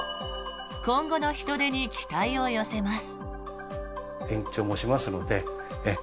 今後の人出に期待を寄せます。